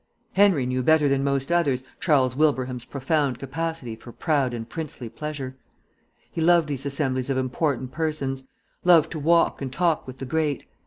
Henry knew better than most others Charles Wilbraham's profound capacity for proud and princely pleasure. He loved these assemblies of important persons; loved to walk and talk with the great.